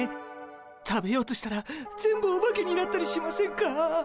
食べようとしたら全部オバケになったりしませんか？